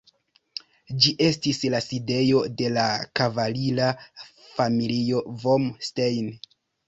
Ĝi estis la sidejo de la kavalira familio vom Stein.